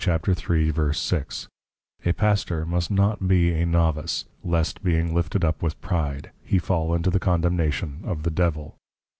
3.6._ A Pastor must not be A Novice; _Lest being lifted up with Pride, He fall into the condemnation of the Devil.